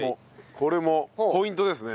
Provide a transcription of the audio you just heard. これもポイントですね。